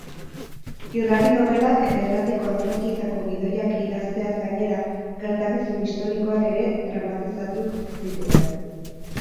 Irrati-nobelak eta irratiko antzerkietako gidoiak idazteaz gainera, gertakizun historikoak ere dramatizatu zituen.